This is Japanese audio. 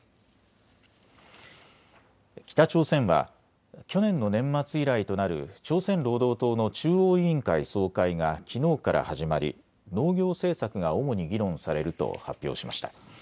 北朝鮮は去年の年末以来となる朝鮮労働党の中央委員会総会がきのうから始まり農業政策が主に議論されると発表しました。